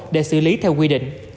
để xử lý theo quy định